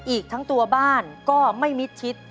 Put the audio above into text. อีกทั้งตัวบ้านก็ไม่มิดชิด